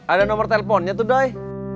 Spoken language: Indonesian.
ada nomor teleponnya tuh doi